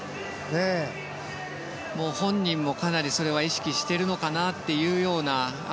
本人もかなりそれは意識しているのかなというような